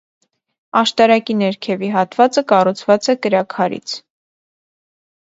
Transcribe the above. Աշտարակի ներքևի հատվածը կառուցված է կրաքարից։